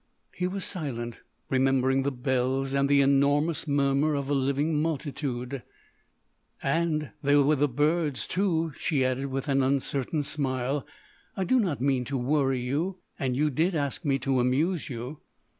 He was silent, remembering the bells and the enormous murmur of a living multitude. "And—there were the birds, too." She added, with an uncertain smile: "I do not mean to worry you.... And you did ask me to amuse you."